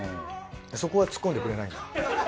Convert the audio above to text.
そこはつっこんでくれないんだ。